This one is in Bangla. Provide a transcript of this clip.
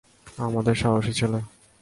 আমাদের সাহসী ছেলে!